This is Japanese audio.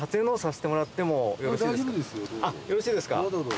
あっよろしいですか？